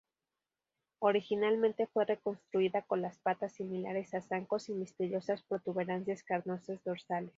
Originalmente fue reconstruida con las patas similares a zancos y misteriosas protuberancias carnosas dorsales.